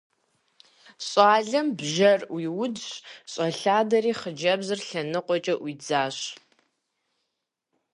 ЩӀалэм бжэр Ӏуиудщ, щӀэлъадэри, хъыджэбзыр лъэныкъуэкӀэ Ӏуидзащ.